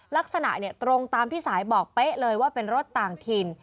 ลักษณะตรงตามที่สายบอกเป๊ะเลยว่าเป็นรถต่างถิ่น